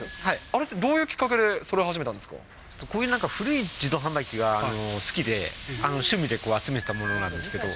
あれってどういうきっかけでそろこういう古い自動販売機が好きで、しゅみであつめてたものなんですけど。